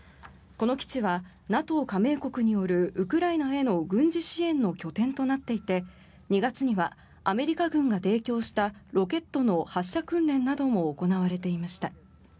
この基地はＮＡＴＯ加盟国によるウクライナへの軍事支援の拠点となっていて２月にはアメリカ軍が提供したロケットの発射訓練なども行われていました。